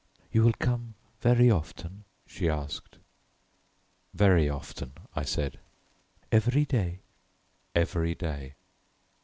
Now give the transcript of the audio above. "You will come very often?" she asked. "Very often," I said. "Every day?" "Every day."